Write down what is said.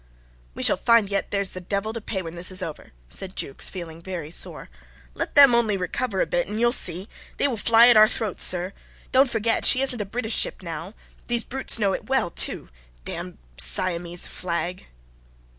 "We shall find yet there's the devil to pay when this is over," said Jukes, feeling very sore. "Let them only recover a bit, and you'll see. They will fly at our throats, sir. Don't forget, sir, she isn't a British ship now. These brutes know it well, too. The damned Siamese flag."